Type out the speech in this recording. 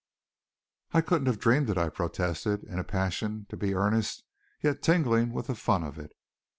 "I couldn't have dreamed it," I protested, in a passion to be earnest, yet tingling with the fun of it.